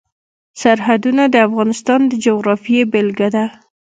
سرحدونه د افغانستان د جغرافیې بېلګه ده.